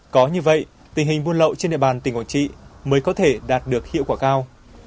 có như vậy tình hình buôn lậu trên địa bàn tỉnh quảng trị mới có thể đạt được hiệu quả cao